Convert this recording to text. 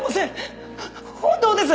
本当です！